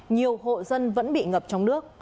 nhiều hộ dân vẫn bị ngập trong nước